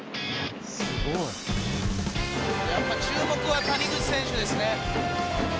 「すごい」やっぱ注目は谷口選手ですね。